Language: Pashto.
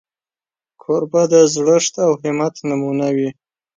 کوربه د زړښت او همت نمونه وي.